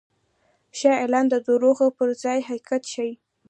ښه اعلان د دروغو پر ځای حقیقت ښيي.